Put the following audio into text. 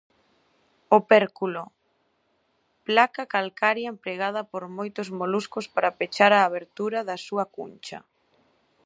Opérculo: Placa calcaría empregada por moitos moluscos para pechar a abertura da súa cuncha.